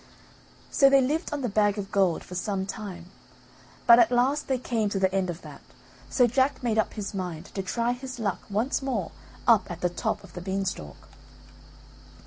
So they lived on the bag of gold for some time, but at last they came to the end of that so Jack made up his mind to try his luck once more up at the top of the beanstalk.